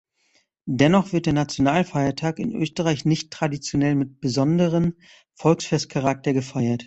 Dennoch wird der Nationalfeiertag in Österreich nicht traditionell mit besonderem Volksfestcharakter gefeiert.